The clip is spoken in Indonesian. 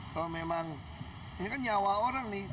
kalau memang ini kan nyawa orang nih